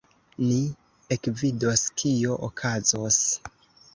Ni ekvidos, kio okazos.